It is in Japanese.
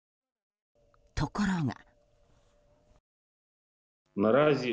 ところが。